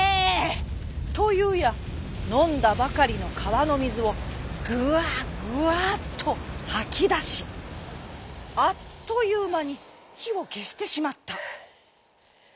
というやのんだばかりのかわのみずをグワグワっとはきだしあっというまにひをけしてしまった。